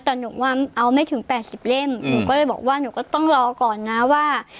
แต่หนูว่าเอาไม่ถึง๘๐เล่มหนูก็เลยบอกว่าหนูก็ต้องรอก่อนนะว่า